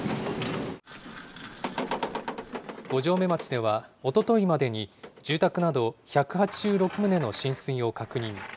五城目町では、おとといまでに住宅など１８６棟の浸水を確認。